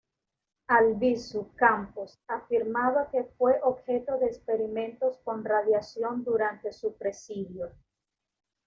Albizu Campos afirmaba que fue objeto de experimentos con radiación durante su presidio.